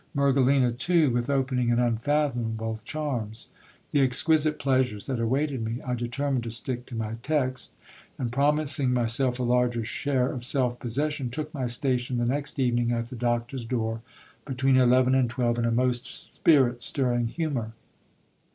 Mergelina too with opening and unfathomable charms ! The exquisite pleasures that awaited me ! I determined to stick to my text ; and promising myself a larger share of self possession, took my station the next evening at the doctor's door, between eleven and twelve, in a most spirit stirring humour.